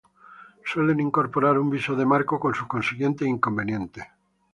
Suelen incorporar un visor de marco con sus consiguientes inconvenientes.